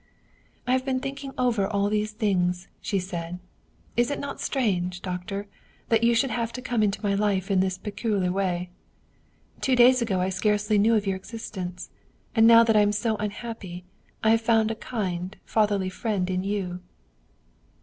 " I have been thinking over all these things/' she said. " Is it not strange, doctor, that you should have come into my life in this peculiar way? Two days ago I scarcely knew of your existence. And now that I am so unhappy, I have found a kind, fatherly friend in you."